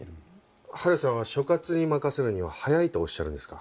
春さんは所轄に任せるには早いとおっしゃるんですか？